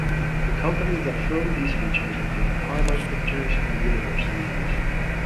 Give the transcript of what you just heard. The companies that filmed these features included Paramount Pictures and Universal News.